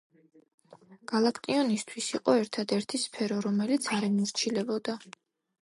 გალაკტიონისთვის იყო ერთადერთი სფერო, რომელიც არ ემორჩილებოდა